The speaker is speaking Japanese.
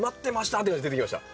って感じで出てきました。